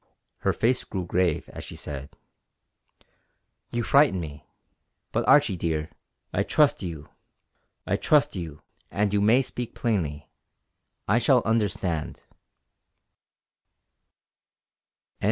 Her face grew grave as she said: "You frighten me! But Archie, dear, I trust you. I trust you; and you may speak plainly. I shall understand."